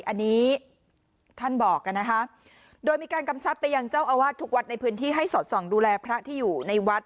อันนี้ท่านบอกนะคะโดยมีการกำชับไปยังเจ้าอาวาสทุกวัดในพื้นที่ให้สอดส่องดูแลพระที่อยู่ในวัด